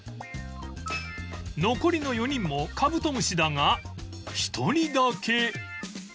残りの４人もカブトムシだが一人だけ